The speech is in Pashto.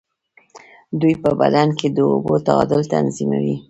دوی په بدن کې د اوبو تعادل تنظیموي.